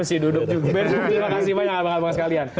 terima kasih banyak bang ahok bang jokowi sekalian